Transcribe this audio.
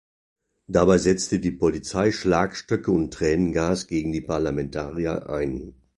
Dabei setzte die Polizei Schlagstöcke und Tränengas gegen die Parlamentarier ein.